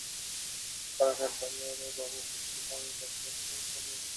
কারণ, এফআইআর দায়েরের পরে বয়ান রেকর্ডের সময় সালমানের মদ্যপানের কথা বলেছিলেন পাতিল।